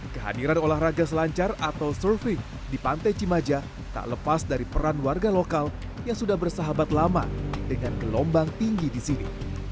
kehadiran olahraga selancar atau surfing di pantai cimaja tak lepas dari peran warga lokal yang sudah bersahabat lama dengan gelombang tinggi di sini